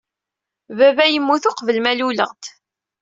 Baba yemmut uqbel ma luleɣ-d.